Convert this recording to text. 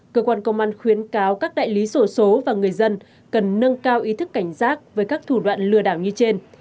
cơ quan công an khuyến cáo các đại lý sổ số và người dân cần nâng cao ý thức cảnh giác với các thủ đoạn lừa đảo như trên